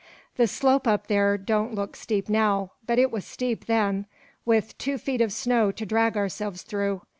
The slope up there don't look steep now, but it was steep then with two feet of snow to drag ourselves through.